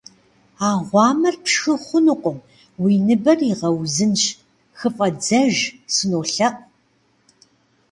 А гъуамэр пшхы хъунукъым уи ныбэр игъэузынщ, хыфӀэдзэж, сынолъэӀу.